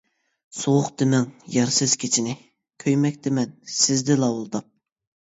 سوغۇق دېمەڭ يارسىز كېچىنى، كۆيمەكتىمەن سىزدە لاۋۇلداپ.